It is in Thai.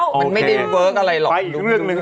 พออีกเรื่องนึง